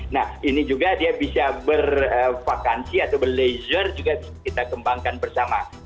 nah ini juga dia bisa bervakansi atau berlaser juga kita kembangkan bersama